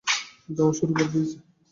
যাওয়া শুরু করে দিয়েছ?